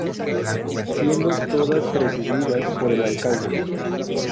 Siendo todas presididas por el Alcalde.